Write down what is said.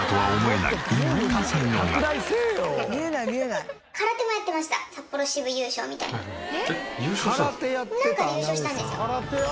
なんかで優勝したんですよ。